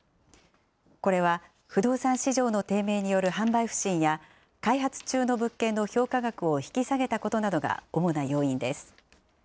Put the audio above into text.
これは不動産市場の低迷による販売不振や、開発中の物件の評価額を引き下げたことなどが主な要因です。